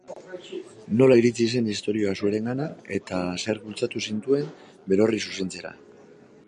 Nola iritsi zen istorioa zuregana eta zerk bultzatu zintuen berorri zuzentzera?